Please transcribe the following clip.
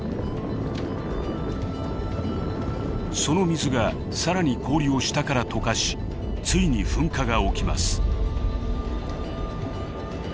その水が更に氷を下から解かしついに噴火が起きます。